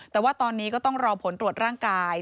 แต่ว่าตอนนี้ก็ต้องรอผลตรวจร่างกาย